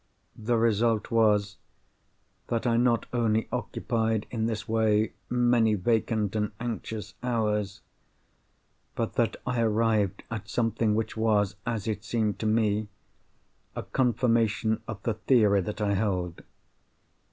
The result was, that I not only occupied in this way many vacant and anxious hours, but that I arrived at something which was (as it seemed to me) a confirmation of the theory that I held.